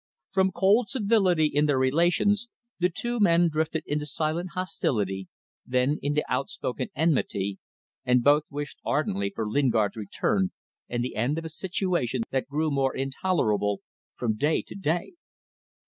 From cold civility in their relations, the two men drifted into silent hostility, then into outspoken enmity, and both wished ardently for Lingard's return and the end of a situation that grew more intolerable from day to day.